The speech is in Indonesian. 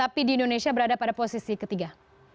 tapi di indonesia berada pada posisi ketiga